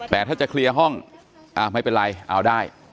แต่ถ้าจะเคลียร์ห้องไม่เป็นไรเอาได้